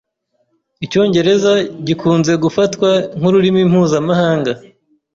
Icyongereza gikunze gufatwa nkururimi mpuzamahanga.